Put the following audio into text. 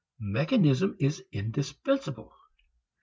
Mechanism is indispensable.